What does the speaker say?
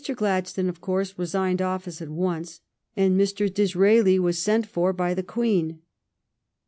Gladstone, of course, resigned office at once, and Mr. Disraeli was sent for by the Queen.